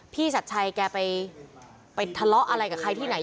ชัดชัยแกไปทะเลาะอะไรกับใครที่ไหน